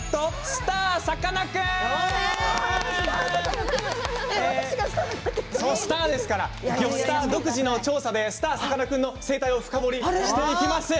スター★さスター「土スタ」独自の調査でスター★さかなクンの生態を深掘りしていきます。